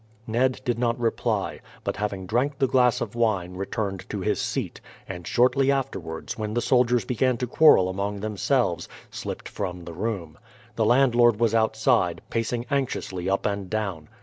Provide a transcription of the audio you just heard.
Ned did not reply; but having drank the glass of wine, returned to his seat, and shortly afterwards, when the soldiers began to quarrel among themselves, slipped from the room. The landlord was outside, pacing anxiously up and down.